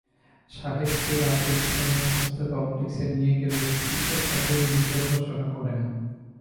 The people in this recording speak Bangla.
শাহেদকে রাতে স্থানীয় স্বাস্থ্য কমপ্লেক্সে নিয়ে গেলে চিকিৎসক তাঁকে মৃত ঘোষণা করেন।